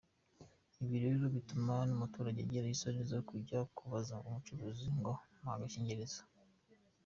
Ibi rero bituma n’umuturage agira isoni zo kujya kubaza umucuruzi ngo mpa agakingirizo.